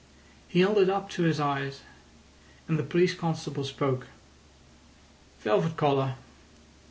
He held it up to his eyes; and the police constable spoke. "Velvet collar.